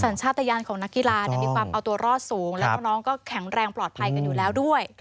สัญชาติยานของนักกีฬามีความเอาตัวรอดสูงแล้วก็น้องก็แข็งแรงปลอดภัยกันอยู่แล้วด้วย